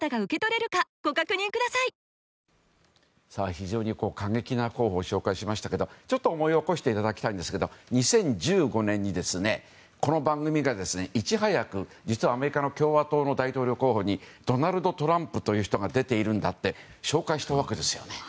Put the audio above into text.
非常に過激な候補を紹介しましたけどちょっと思い起こしていただきたいんですけど２０１５年にこの番組がいち早く実はアメリカの共和党の大統領候補にドナルド・トランプという人が出ているんだと紹介したわけですよね。